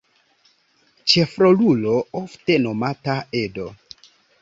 Ĉefrolulo, ofte nomata "Ed".